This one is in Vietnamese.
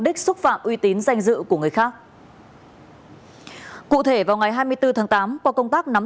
đích xúc phạm uy tín danh dự của người khác cụ thể vào ngày hai mươi bốn tháng tám qua công tác nắm